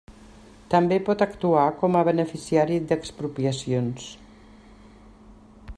També pot actuar com a beneficiari d'expropiacions.